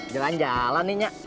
jalan jalan nih nya